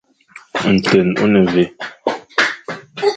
Nten ô ne mvè.